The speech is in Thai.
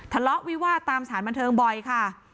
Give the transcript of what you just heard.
ทะเลาะวิวาดตามสถานบันเทิงบ่อยค่ะ